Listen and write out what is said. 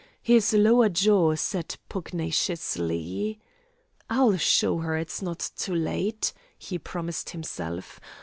His lower jaw set pugnaciously. "I'll show her it's not too late," he promised himself.